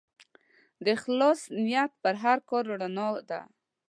د اخلاص نیت د هر کار رڼا ده.